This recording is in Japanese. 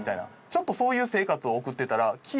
ちょっとそういう生活を送ってたら気ぃ